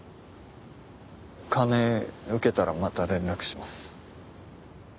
金受けたらまた連絡します。